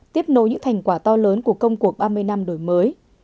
tiếp nối những thành quả to lớn của công cuộc ba mươi năm đổi mới